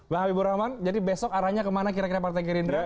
bang habibur rahman jadi besok arahnya kemana kira kira partai gerindra